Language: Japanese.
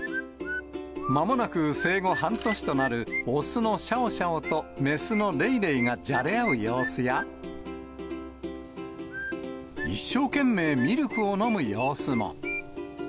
まもなく生後半年となる雄のシャオシャオと雌のレイレイがじゃれ合う様子や、一生懸命ミルクを飲む様子も。